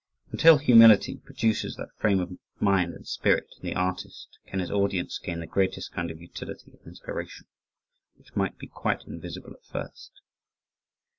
Until humility produces that frame of mind and spirit in the artist can his audience gain the greatest kind of utility and inspiration, which might be quite invisible at first?